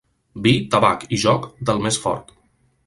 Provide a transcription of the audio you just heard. Vi, tabac i joc, del més fort.